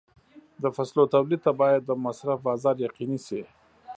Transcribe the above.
د فصلو تولید ته باید د مصرف بازار یقیني شي.